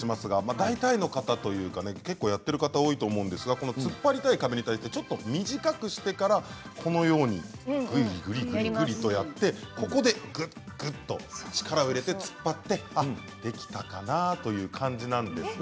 大体の方というか、やってる方多いと思うんですが突っ張りたい壁に対して短くしてから、ぐりぐりやって最後、力を入れて突っ張ってできたかなという感じなんですが。